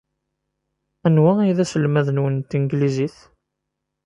Anwa ay d aselmad-nwen n tanglizit?